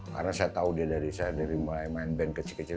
karena saya tahu dia dari saya mulai main band kecil kecil